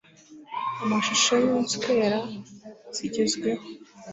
amashusho yo uswera zigezweho